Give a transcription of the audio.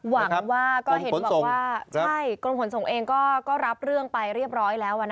หวังว่าก็เห็นบอกว่าใช่กรมขนส่งเองก็รับเรื่องไปเรียบร้อยแล้ว